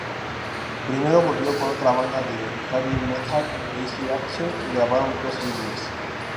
Primero volvió con otra banda de Heavy metal, Easy Action y grabaron dos álbumes.